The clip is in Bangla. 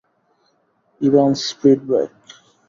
Evans, speed break.